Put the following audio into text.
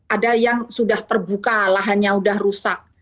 ada yang sudah terbuka lahannya sudah rusak